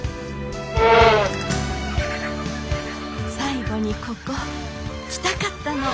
最後にここ来たかったの。